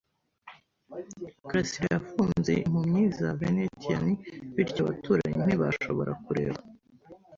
karasira yafunze impumyi za venetian, bityo abaturanyi ntibashobora kureba.